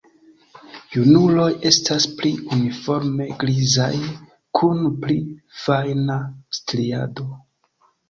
Junuloj estas pli uniforme grizaj kun pli fajna striado.